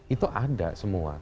itu ada semua